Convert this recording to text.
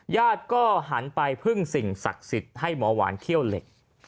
ญาติก็หันไปพึ่งสิ่งศักดิ์สิทธิ์ให้หมอหวานเขี้ยวเหล็ก